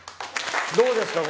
どうですか？